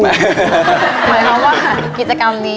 หมายความว่าขัดกิจกรรมนี้